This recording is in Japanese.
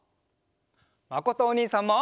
まことおにいさんも。